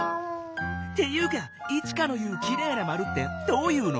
っていうかイチカの言う「きれいなまる」ってどういうの？